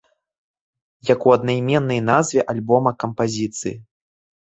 Як у аднайменнай назве альбома кампазіцыі.